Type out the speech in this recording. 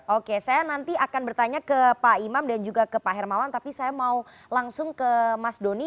oke saya nanti akan bertanya ke pak imam dan juga ke pak hermawan tapi saya mau langsung ke mas doni